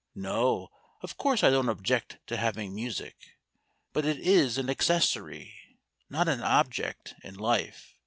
"No, of course I don't object to having music. But it is an accessory, not an object, in life.